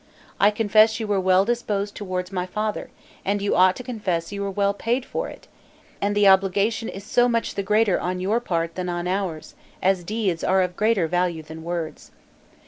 I confess you were well disposed toward my father, and you ought to confess you were well paid for it; and the obligation is so much the greater on your part than on ours, as deeds are of greater value than words.